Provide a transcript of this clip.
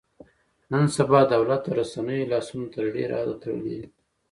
نن سبا دولت د رسنیو لاسونه تر ډېره حده تړلي دي.